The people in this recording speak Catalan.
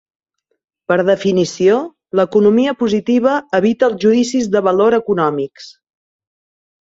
Per definició, l'economia positiva evita els judicis de valor econòmics.